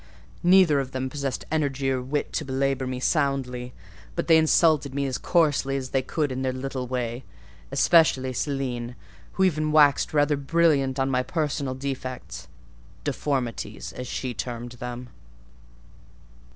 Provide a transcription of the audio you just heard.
Neither of them possessed energy or wit to belabour me soundly, but they insulted me as coarsely as they could in their little way: especially Céline, who even waxed rather brilliant on my personal defects—deformities she termed them.